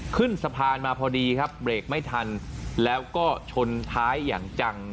ขึ้นสะพานมาพอดีครับเบรกไม่ทันแล้วก็ชนท้ายอย่างจัง